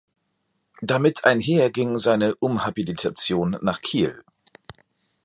Damit einher ging seine Umhabilitation nach Kiel.